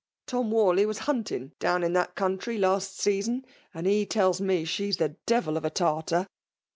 Tom Warley was hunting down in that country last season, and he tells me she is a devil of a Tartar